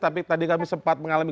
tapi tadi kami sempat mengalami